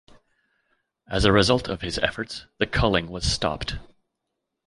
As a result of his efforts, the culling was stopped.